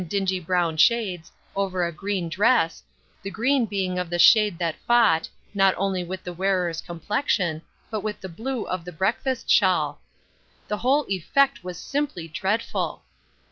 dingy brown shades, over a green dress, the green being of the shade that fought, not only with the wearer's complexion, but with the blue of the breakfast shawl. The whole effect was simply dreadfid